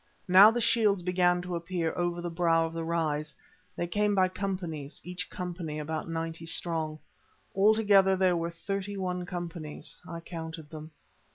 Now the shields began to appear over the brow of the rise. They came by companies, each company about ninety strong. Altogether there were thirty one companies. I counted them.